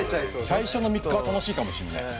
最初の３日は楽しいかもしんない。